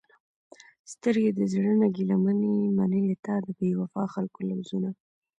سترګې د زړه نه ګېله منې، منلې تا د بې وفاء خلکو لوظونه